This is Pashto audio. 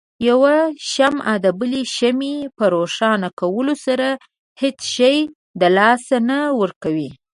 يوه شمعه دبلې شمعې په روښانه کولو سره هيڅ شی د لاسه نه ورکوي.